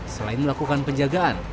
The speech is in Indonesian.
selain melakukan penjagaan